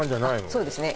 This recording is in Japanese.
そうですね